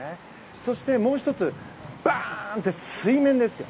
そしてもう１つバーン！って水面ですよ。